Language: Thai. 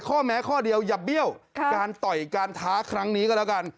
ข้อแม้ข้อเดียวอย่าเบี้ยวการต่อยการท้าครั้งนี้ก็แล้วกัน